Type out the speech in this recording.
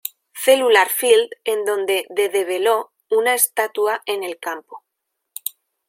Cellular Field en donde de develó una estatua en el campo.